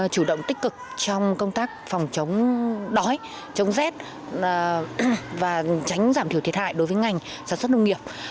chủ động tích cực trong công tác phòng chống đói chống rét và tránh giảm thiểu thiệt hại đối với ngành sản xuất nông nghiệp